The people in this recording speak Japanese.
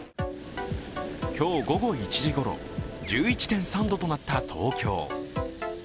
今日午後１時ごろ、１１．３度となった東京。